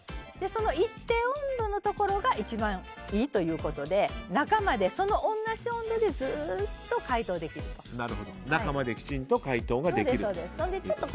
その一定温度のところが一番いいということで中まで、同じ温度でずっと中まできちんと解凍ができると。